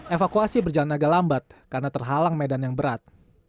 evakuasi berjalan agak lambat karena terhalang medan yang berat